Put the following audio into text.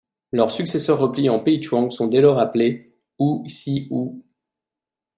Leurs successeurs repliés en pays Tchouang sont dès lors appelés ou Hsī Ōu 西甌.